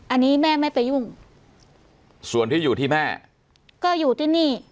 อันนี้แม่ไม่ไปยุ่งส่วนที่อยู่ที่แม่ก็อยู่ที่นี่